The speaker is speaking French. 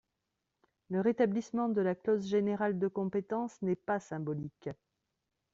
Le rétablissement de la clause générale de compétence n’est pas symbolique.